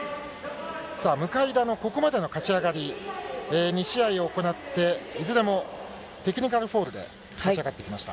向田のここまでの勝ち上がり、２試合行って、いずれもテクニカルフォールで勝ち上がってきました。